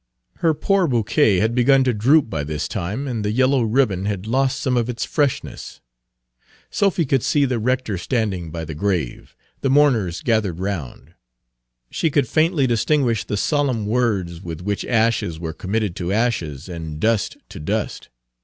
Her poor bouquet had begun to droop by this time, and the yellow ribbon had lost some of its freshness. Sophy could see the rector standing by the grave, the mourners gathered round; she could faintly distinguish the solemn words with Page 288a "FOR WHITE PEOPLE ONLY. OTHERS PLEASE KEEP OUT" Page 289 which ashes were committed to ashes, and dust to dust.